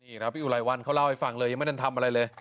นี่ครับพี่อุไรวันเขาเล่าให้ฟังเลยยังไม่ได้ทำอะไรเลย